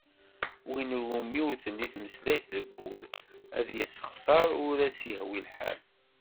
Win iwumi ur telli tmeslayt deg wul, ad yessexser ur as-yehwi lḥal.